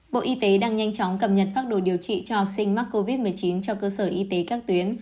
bộ y tế đang nhanh chóng cập nhật pháp đồ điều trị cho học sinh mắc covid một mươi chín cho cơ sở y tế các tuyến